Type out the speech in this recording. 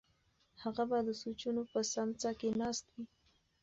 هغه به د سوچونو په سمڅه کې ناست وي.